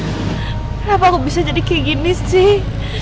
kenapa aku bisa jadi kayak gini sih